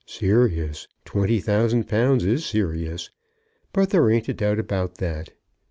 "Serious! Twenty thousand pounds is serious. There ain't a doubt about that.